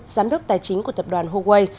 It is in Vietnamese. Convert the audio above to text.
giám đốc tài chính của tập đoàn huawei